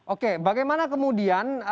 oke bagaimana kemudian